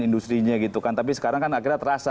industri nya gitu kan tapi sekarang kan akhirnya terasa